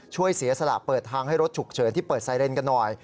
เสียสละเปิดทางให้รถฉุกเฉินที่เปิดไซเรนกันหน่อย